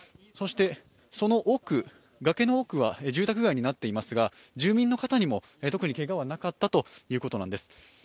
その奥、崖の奥は住宅街になっていますが住民の方にも特にけがはなかったということです。